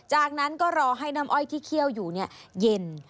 จากนั้นก็รอให้น้ำอ้อยที่เคี่ยวอยู่เย็น